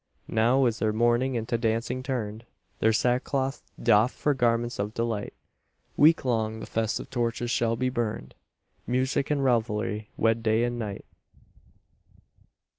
Now is their mourning into dancing turned, Their sackcloth doffed for garments of delight, Week long the festive torches shall be burned, Music and revelry wed day with night.